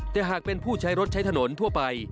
แต่หากเป็นผู้ใช้รถใช้ถนนทั่วไป